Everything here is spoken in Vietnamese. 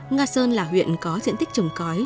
nga sơn là huyện có diện tích trồng cõi